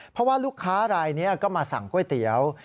เพราะว่าลูกค้ารายนี้ก็มาสั่งก๋วยเตี๋ยว